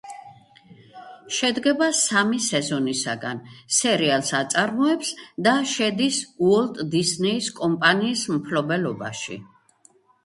შედგება სამი სეზონისაგან, სერიალს აწარმოებს და შედის უოლტ დისნეის კომპანიის მფლობელობაში.